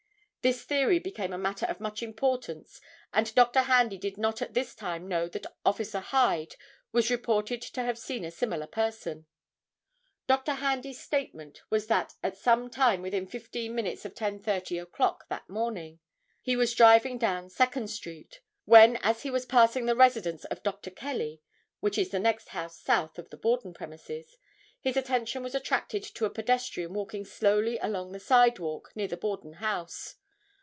This theory became a matter of much importance and Dr. Handy did not at this time know that Officer Hyde was reported to have seen a similar person. Dr. Handy's statement was that at some time within fifteen minutes of 10:30 o'clock that morning he was driving down Second street. When as he was passing the residence of Dr. Kelly,—which is the next house south of the Borden premises,—his attention was attracted to a pedestrian walking slowly along the sidewalk near the Borden house.